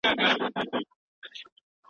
څنګه په کار کي ذهني ارامتیا وساتو؟